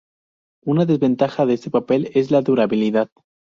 Una desventaja de este papel es la durabilidad.